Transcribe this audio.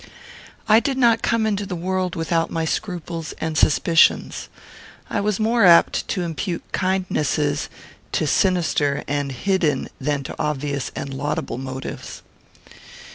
I did not come into the world without my scruples and suspicions. I was more apt to impute kindnesses to sinister and hidden than to obvious and laudable motives.